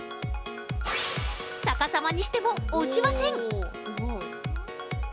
逆さまにしても落ちません。